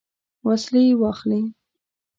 وسلې واخلي.